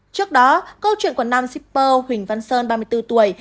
trước đó câu chuyện của nam shipper huỳnh văn sơn ba mươi bốn tuổi